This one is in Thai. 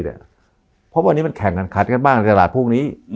เพราะวันนี้มันแข่งกันคัดกันบ้างในตลาดพวกนี้